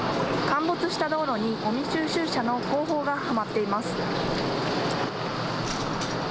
陥没した道路にごみ収集車の後方がはまっています。